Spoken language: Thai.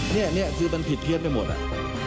นี่คือมันผิดเพี้ยนไปหมดอ่ะ